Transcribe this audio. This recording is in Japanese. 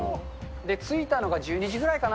着いたのが１２時ぐらいかな。